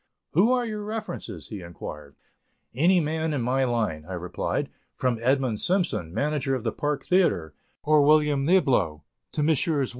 "Who are your references?" he inquired. "Any man in my line," I replied, "from Edmund Simpson, manager of the Park Theatre, or William Niblo, to Messrs.